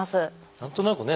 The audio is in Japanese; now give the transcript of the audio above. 何となくね